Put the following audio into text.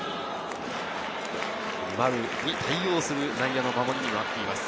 丸に対応する内野の守りです。